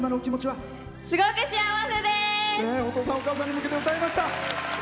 お父さんお母さんに向けて歌いました！